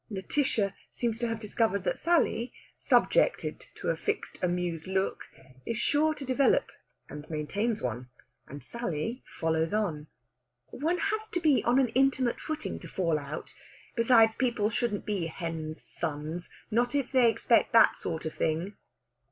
Lætitia seems to have discovered that Sally, subjected to a fixed amused look, is sure to develop, and maintains one; and Sally follows on: "One has to be on an intimate footing to fall out. Besides, people shouldn't be hen's sons. Not if they expect that sort of thing!"